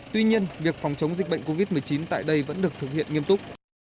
tuy nhiên việc phòng chống dịch bệnh covid một mươi chín tại đây vẫn được thực hiện nghiêm túc